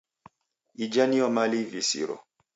Ija niyo mali ivisiro.